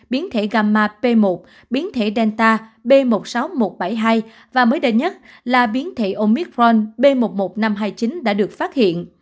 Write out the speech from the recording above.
biến thể gamma b một biến thể delta b một sáu một bảy hai và mới đây nhất là biến thể omicron b một một năm hai mươi chín đã được phát hiện